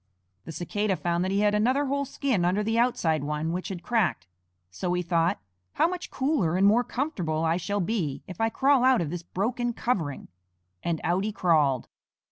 The Cicada found that he had another whole skin under the outside one which had cracked, so he thought, "How much cooler and more comfortable I shall be if I crawl out of this broken covering," and out he crawled.